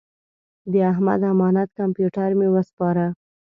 د احمد امانت کمپیوټر مې وسپاره.